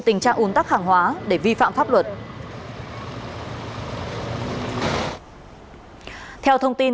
tình trạng un tắc hàng hóa để vi phạm pháp luật